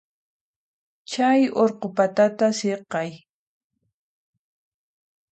Chay urqu patata siqay.